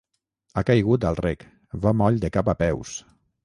Ha caigut al rec: va moll de cap a peus.